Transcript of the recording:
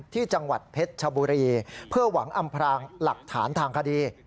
ที่จังหวัดเพชรชบุรีเพื่อหวังอำพรางหลักฐานทางคดี